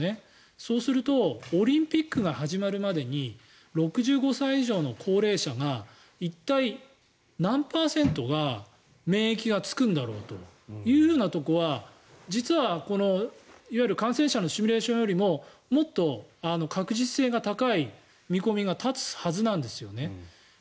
そうするとオリンピックが始まるまでに６５歳以上の高齢者が一体、何パーセントが免疫がつくんだろうというところは実は、いわゆる感染者のシミュレーションよりももっと確実性が高い見込みが立つはずなんですよね。